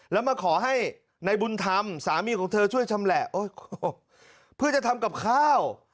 แล้วมาขอให้ในบุญธรรมสามีของเธอช่วยชำแหละเพื่อจะทำกับข้าว